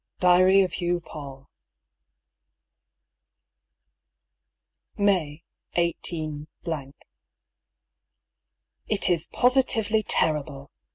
DIARY OF HUGH PAULL. Jfay, 18 —. It is positively terrible